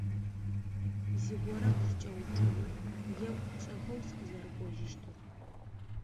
Зыгорэ къыскӏэупчӏэмэ, еӏу шӏэхэу сыкъызэрэкӏожьыщтыр.